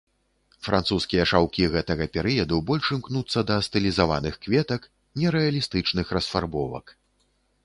Французскія шаўкі гэтага перыяду больш імкнуцца да стылізаваных кветак нерэалістычных расфарбовак.